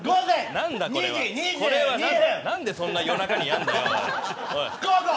何でそんな夜中にやんだよ。